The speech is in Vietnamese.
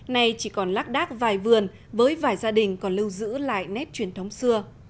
nay chỉ còn lác đác vài vườn với vài gia đình còn lưu giữ lại nét truyền thống xưa